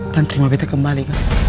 dan terima beta kembali